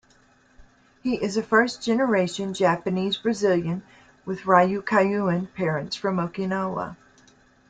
He is a first-generation Japanese-Brazilian, with Ryukyuan parents from Okinawa.